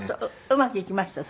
うまくいきました？